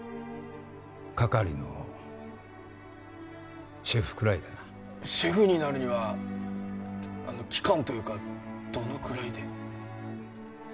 係のシェフくらいだなシェフになるにはあの期間というかどのくらいで？